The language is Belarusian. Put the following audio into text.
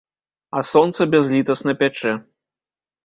А сонца бязлітасна пячэ.